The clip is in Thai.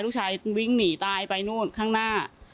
ลูกชายวิ่งหนีตายไปนู่นข้างหน้า